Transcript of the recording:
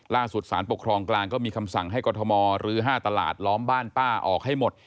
สารปกครองกลางก็มีคำสั่งให้กรทมลื้อ๕ตลาดล้อมบ้านป้าออกให้หมด